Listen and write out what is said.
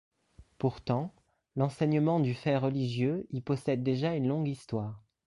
Pourtant, l'enseignement du fait religieux y possède déjà une longue histoire.